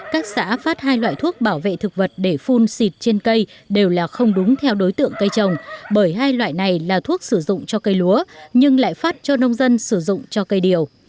các xã phát hai loại thuốc bảo vệ thực vật để phun xịt trên cây đều là không đúng theo đối tượng cây trồng bởi hai loại này là thuốc sử dụng cho cây lúa nhưng lại phát cho nông dân sử dụng cho cây điều